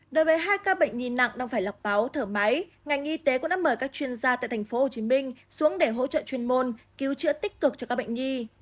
đối với hai ca bệnh nhi nặng đang phải lọc máu thở máy ngành y tế cũng đã mời các chuyên gia tại tp hcm xuống để hỗ trợ chuyên môn cứu chữa tích cực cho các bệnh nhi